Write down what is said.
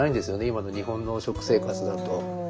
今の日本の食生活だと。